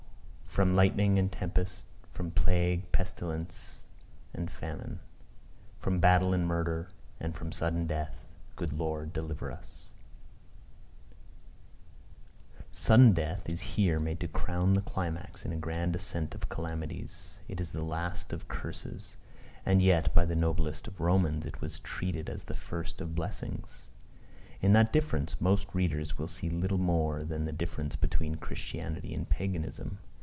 "From lightning and tempest; from plague, pestilence, and famine; from battle and murder, and from sudden death, Good Lord, deliver us." Sudden death is here made to crown the climax in a grand ascent of calamities; it is the last of curses; and yet, by the noblest of Romans, it was treated as the first of blessings. In that difference, most readers will see little more than the difference between Christianity and Paganism.